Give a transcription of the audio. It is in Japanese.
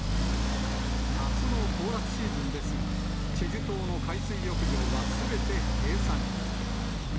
夏の行楽シーズンですが、チェジュ島の海水浴場はすべて閉鎖に。